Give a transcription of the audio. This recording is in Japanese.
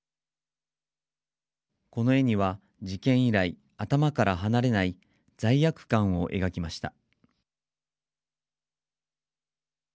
この絵には事件以来頭から離れない罪悪感を描きました。